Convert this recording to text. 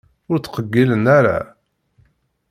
Ur ttqeyyilen ara.